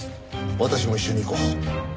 私も一緒に行こう。